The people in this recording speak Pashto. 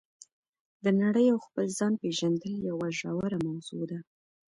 د نړۍ او خپل ځان پېژندل یوه ژوره موضوع ده.